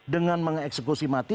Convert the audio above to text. dengan mengeksekusi mati